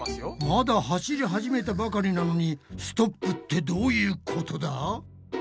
まだ走り始めたばかりなのにストップってどういうことだ？